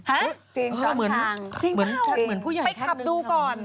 ฮะจริงสอนทางจริงเหมือนผู้ใหญ่ไปคำดูก่อน